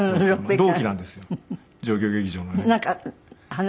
同期なんですよ状況劇場のね。